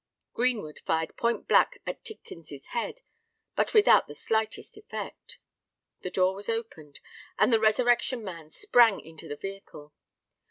Greenwood fired point blank at Tidkins's head but without the slightest effect. The door was opened; and the Resurrection Man sprang into the vehicle.